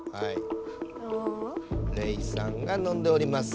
レイさんが飲んでおります。